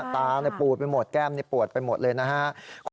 ตาเลยปวดไปหมดแก้มปวดไปหมดเลยนะฮะ